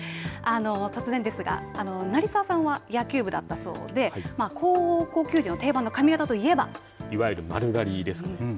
突然ですが成澤さんは野球部だったそうでいわゆる丸刈りですね。